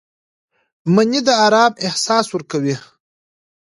مني د آرام احساس ورکوي